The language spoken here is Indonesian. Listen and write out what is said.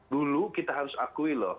dulu kita harus akui loh